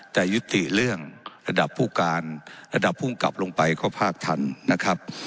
แต่ยุติเรื่องระดับผู้การระดับภูมิกับลงไปก็ภาคทันนะครับ